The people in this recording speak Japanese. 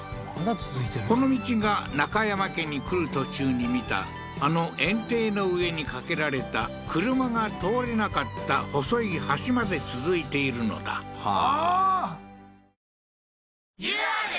この道が中山家に来る途中に見たあの堰堤の上に架けられた車が通れなかった細い橋まで続いているのだＵＲ